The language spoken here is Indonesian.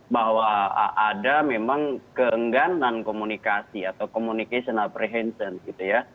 bahwa ada memang keengganan komunikasi atau communication apprehension gitu ya